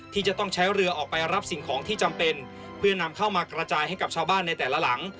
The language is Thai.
ที่จะต้องใช้เรือออกไปรับสิ่งของที่จำเป็นเพื่อนำเข้ามากระจายให้กับชาวบ้านในแต่ละหลัง